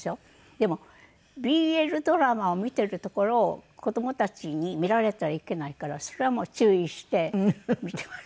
でもＢＬドラマを見ているところを子供たちに見られてはいけないからそれはもう注意して見ています。